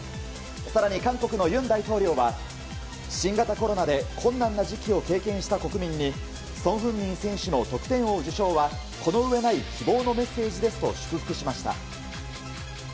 更に韓国の尹大統領は新型コロナで困難な時期を経験した国民にソン・フンミン選手の得点王受賞はこの上ない希望のメッセージですと祝福しました。